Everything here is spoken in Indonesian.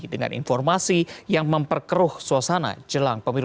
dengan informasi yang memperkeruh suasana jelang pemilu dua ribu dua puluh empat